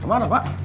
ke mana pak